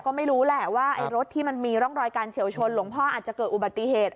ก็ไม่รู้แหละว่าไอ้รถที่มันมีร่องรอยการเฉียวชนหลวงพ่ออาจจะเกิดอุบัติเหตุ